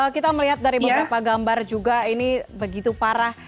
kita melihat dari beberapa gambar juga ini begitu parah